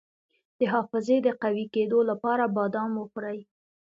د حافظې د قوي کیدو لپاره بادام وخورئ